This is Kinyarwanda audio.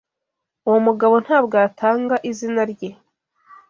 Uwo mugabo ntabwo yatanga izina rye.